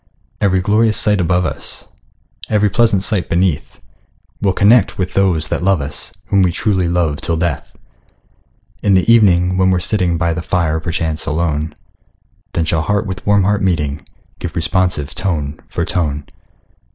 Every glorious sight above us, Every pleasant sight beneath, We'll connect with those that love us, Whom we truly love till death! In the evening, when we're sitting By the fire, perchance alone, Then shall heart with warm heart meeting, Give responsive tone for tone.